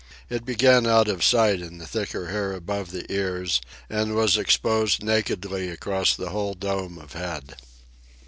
It began out of sight in the thicker hair above the ears, and was exposed nakedly across the whole dome of head.